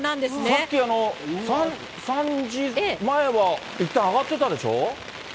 さっき、３時前はいったん上がってたでしょう。